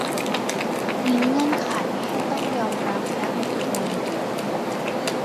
มีเงื่อนไขให้ต้องยอมรับและอดทน